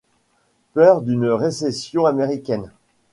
Peur d'une récession américaine.